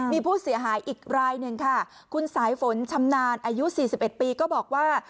มีผู้เสียหายอีกรายหนึ่งค่ะคุณสายฝนชำนาญอายุ๔๑ปีก็บอกว่า